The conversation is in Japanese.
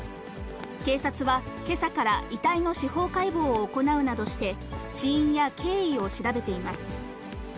警察は、けさから遺体の司法解剖を行うなどして死因や経緯を調べています。